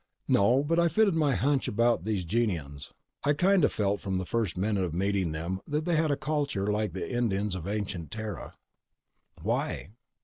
"No. But it fitted my hunch about these Gienahns. I'd kind of felt from the first minute of meeting them that they had a culture like the Indians of ancient Terra." "Why?"